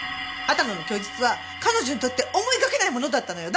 秦野の供述は彼女にとって思いがけないものだったのよ。